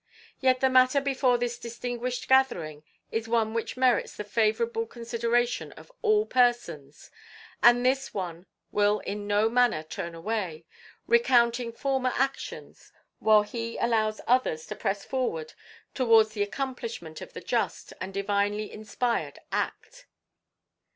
Yet the matter before this distinguished gathering is one which merits the favourable consideration of all persons, and this one will in no manner turn away, recounting former actions, while he allows others to press forward towards the accomplishment of the just and divinely inspired act."